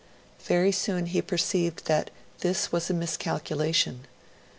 Very soon he perceived that this was a miscalculation.